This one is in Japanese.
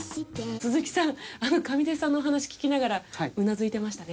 鈴木さん上出さんの話聞きながらうなずいてましたね。